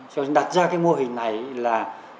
cho nên đặt ra cái mô hình này là